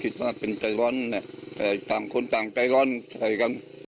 ว่าเป็นใจร้อนแต่ต่างคนต่างใจร้อนใส่กัน